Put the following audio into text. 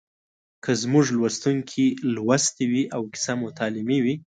که زموږ لوستونکي لوستې وي او کیسه مو تعلیمي وي